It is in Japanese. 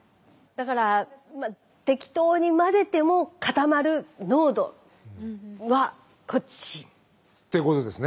だから適当に混ぜても固まる濃度はこっち。ってことですね。